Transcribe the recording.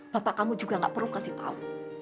bapak kamu juga gak perlu kasih tahu